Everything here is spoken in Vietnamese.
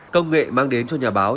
công nghệ mang đến cho nhà báo